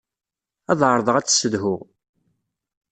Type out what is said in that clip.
Ad ɛerḍeɣ ad tt-ssedhuɣ.